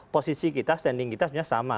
posisi kita standing kita sebenarnya sama